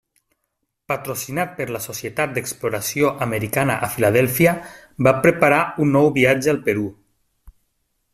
Patrocinat per la Societat d'Exploració Americana a Filadèlfia va preparar un nou viatge al Perú.